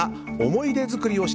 思い出作り？